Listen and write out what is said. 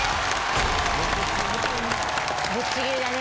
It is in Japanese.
ぶっちぎりだね。